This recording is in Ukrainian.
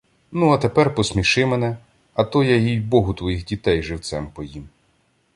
- Ну, а тепер посміши мене, а то я, їй-богу, твоїх дітей живцем поїм.